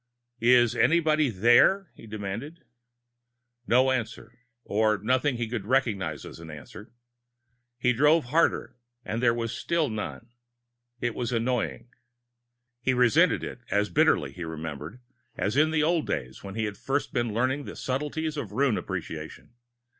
"Is anybody there?" he demanded. No answer or nothing he could recognize as an answer. He drove harder and there still was none. It was annoying. He resented it as bitterly, he remembered, as in the old days when he had first been learning the subtleties of Ruin Appreciation.